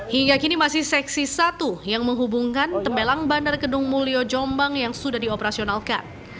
hingga kini masih seksi satu yang menghubungkan tembelang bandar kedung mulyo jombang yang sudah dioperasionalkan